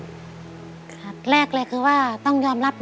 แรกเลยคือว่าต้องยอมรับ